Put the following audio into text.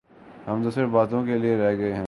ہم تو صرف باتوں کیلئے رہ گئے ہیں۔